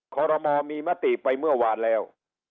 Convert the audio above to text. ขอรมอมีมติไปเมื่อวานแล้ว